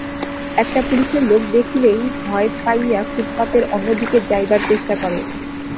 একটা পুলিশের লোক দেখিলেই ভয় পাইয়া ফুটপাতের অন্যদিকে যাইবার চেষ্টা করে।